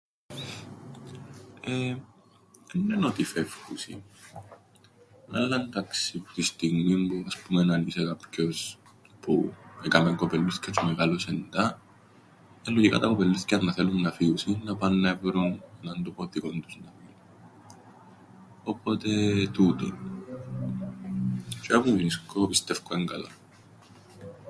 Ε, έννεν' ότι φεύκουσιν, αλλά 'ντάξει, που την στιγμήν που ας πούμεν αν είσαι κάποιος που έκαμεν κοπελλούθκια τζ̆ι εμεγάλωσεν τα, ε, λογικά τα κοπελλούθκια εννά θέλουν να φύουσιν, να παν να έβρουν έναν τόπον δικόν τους. Οπότε... τούτον. Τζ̆ειαμαί που μεινίσκω πιστεύκω εν' καλά.